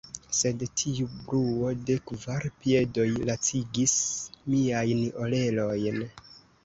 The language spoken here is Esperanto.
Sed tiu bruo de kvar piedoj lacigis miajn orelojn.